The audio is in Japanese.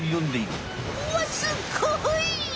うわっすっごい！